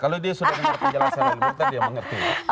kalau dia sudah dengar penjelasan dari lili moktar dia mengerti